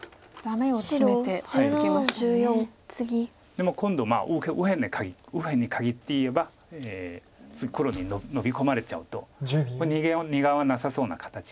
でも今度右辺に限って言えば次黒にノビ込まれちゃうと２眼はなさそうな形ですので。